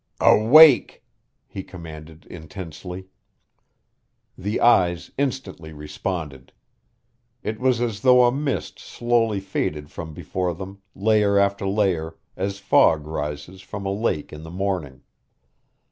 "Awake!" he commanded intensely. The eyes instantly responded. It was as though a mist slowly faded from before them, layer after layer, as fog rises from a lake in the morning.